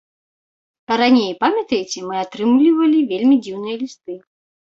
Раней, памятаеце, мы атрымлівалі вельмі дзіўныя лісты.